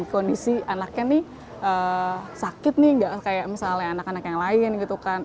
kondisi anaknya nih sakit nih gak kayak misalnya anak anak yang lain gitu kan